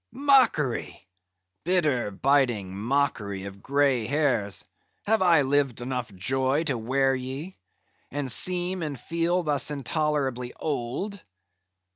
mockery! bitter, biting mockery of grey hairs, have I lived enough joy to wear ye; and seem and feel thus intolerably old?